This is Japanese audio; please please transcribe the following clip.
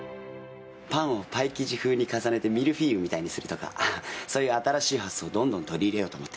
パンをパイ生地風に重ねてミルフィーユみたいにするとかそんな新しい発想を取り入れようと思って。